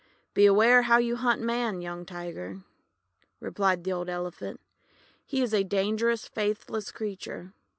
"Beware how you hunt Man, young Tiger," replied the old Elephant. ;<He is a dangerous, faithless creature.